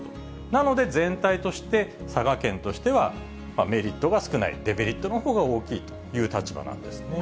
なので、全体として、佐賀県としてはメリットが少ない、デメリットのほうが大きいという立場なんですね。